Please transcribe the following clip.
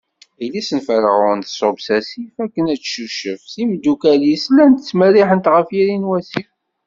Yelli-s n Ferɛun tṣubb s asif akken Ad tcucef, timeddukal-is llant ttmerriḥent ɣef yiri n wasif.